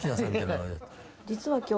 実は今日。